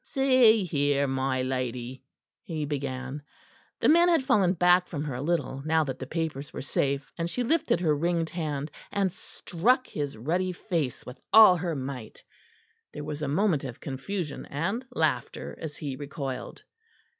"See here, my lady " he began. The men had fallen back from her a little now that the papers were safe, and she lifted her ringed hand and struck his ruddy face with all her might. There was a moment of confusion and laughter as he recoiled.